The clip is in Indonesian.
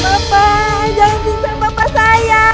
bapak jangan bisa bapak saya